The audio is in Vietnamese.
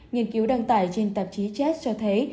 nghiên cứu đăng tải trên tạp chí chat cho thấy